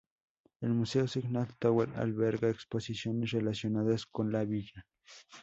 El Museo Signal Tower alberga exposiciones relacionadas con la villa.